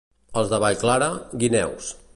Els de Vallclara, guineus.